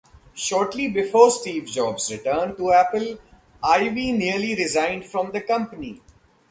Shortly before Steve Jobs's return to Apple, Ive nearly resigned from the company.